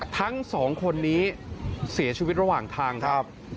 ทั้งสองคนนี้เสียชีวิตระหว่างทางครับ